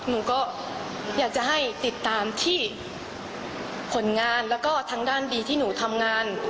หนูก็อยากจะให้ติดตามที่ผลงานแล้วก็ทางด้านดีที่หนูทำงาน